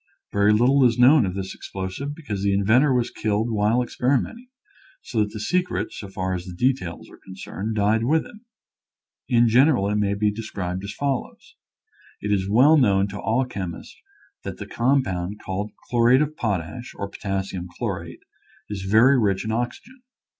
Very little is known of this explosive because the inventor was killed while experi menting, so that the secret, so far as the de tails are concerned, died with him. In general, it may be described as follows : It is well known to all chemists that the compound called chlo rate of potash, or potassium chlorate, is very rich in oxygen.